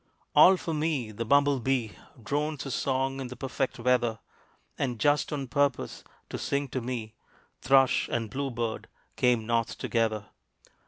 All for me the bumble bee Drones his song in the perfect weather; And, just on purpose to sing to me, Thrush and blue bird came North together.